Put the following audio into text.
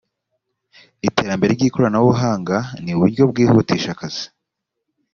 iterambere ry’ikoranabuhanga ni uburyo bwo kwihutisha akazi